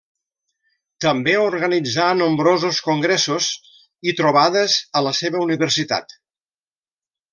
També organitzà nombrosos congressos i trobades a la seva universitat.